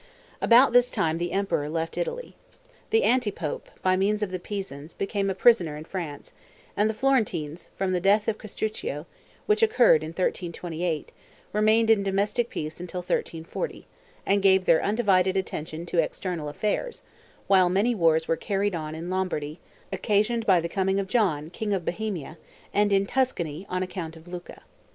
About this time the emperor left Italy. The anti pope, by means of the Pisans, became a prisoner in France; and the Florentines from the death of Castruccio, which occurred in 1328, remained in domestic peace till 1340, and gave their undivided attention to external affairs, while many wars were carried on in Lombardy, occasioned by the coming of John king of Bohemia, and in Tuscany, on account of Lucca.